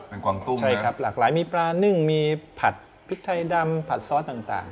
เป็นกวางตุ้งใช่ครับหลากหลายมีปลานึ่งมีผัดพริกไทยดำผัดซอสต่าง